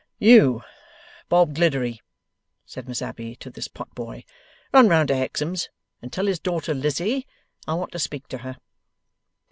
'You Bob Gliddery,' said Miss Abbey to this pot boy, 'run round to Hexam's and tell his daughter Lizzie that I want to speak to her.